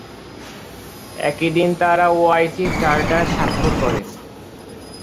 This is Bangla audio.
একই দিন তাঁরা ওআইসি চার্টার স্বাক্ষর করেন।